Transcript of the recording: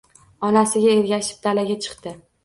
Onasiga ergashib dalaga chiqdi.